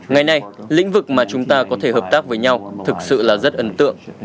ngày nay lĩnh vực mà chúng ta có thể hợp tác với nhau thực sự là rất ấn tượng